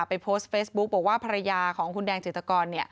โพสต์เฟซบุ๊กบอกว่าภรรยาของคุณแดงจิตกร